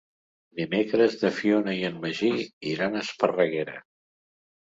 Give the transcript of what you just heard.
Dimecres na Fiona i en Magí iran a Esparreguera.